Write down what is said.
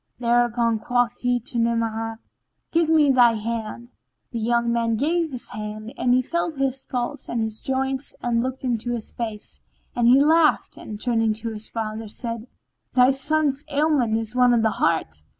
Thereupon quoth he to Ni'amah, "Give me thy hand." The young man gave him his hand and he felt his pulse and his joints and looked in his face; then he laughed and, turning to his father, said, "Thy son's sole ailment is one of the heart."